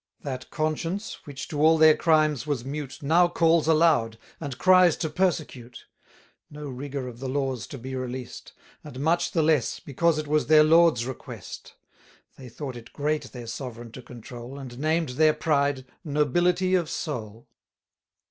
That Conscience, which to all their crimes was mute, Now calls aloud, and cries to persecute: No rigour of the laws to be released, And much the less, because it was their Lord's request: They thought it great their Sovereign to control, 1220 And named their pride, nobility of soul.